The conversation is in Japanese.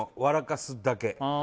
かすだけ！」